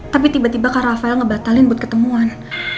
tapi tiba tiba kak rafael ngebatalin buat ketemuan